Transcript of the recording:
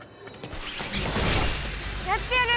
やってやる！